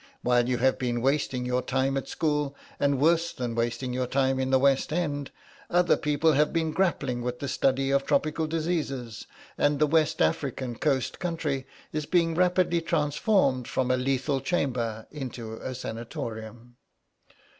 While you have been wasting your time at school, and worse than wasting your time in the West End, other people have been grappling with the study of tropical diseases, and the West African coast country is being rapidly transformed from a lethal chamber into a sanatorium."